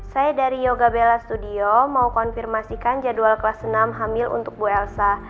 saya dari yoga bella studio mau konfirmasikan jadwal kelas enam hamil untuk bu elsa